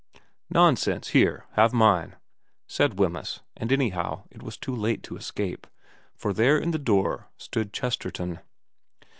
' Nonsense ; here, have mine,' said Wemyss ; and anyhow it was too late to escape, for there in the door stood Chesterton.